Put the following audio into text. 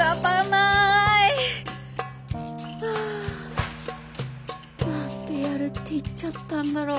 あ何でやるって言っちゃったんだろう